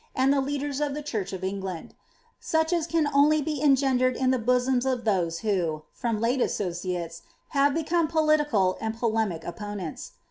and the leaders of the rliurcli of Eng land ; such as can only he engendered in the bosoms of ihtwe who, from late associates, have become political and polemic opponent*.